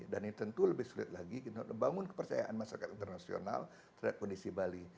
dan ini tentu lebih sulit lagi untuk membangun kepercayaan masyarakat internasional terhadap kondisi bali